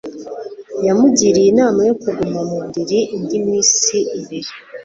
Yamugiriye inama yo kuguma mu buriri indi minsi ibiri